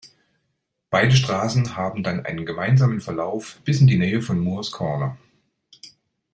Beide Straßen haben dann einen gemeinsamen Verlauf bis in die Nähe von Moores Corner.